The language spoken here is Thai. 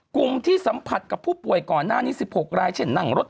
กลุ่มที่สัมผัสกับผู้ป่วยก่อนหน้านี้๑๖รายเช่นนั่งรถ